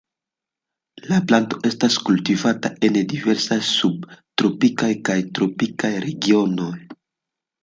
La planto estas kultivata en diversaj subtropikaj kaj tropikaj regionoj.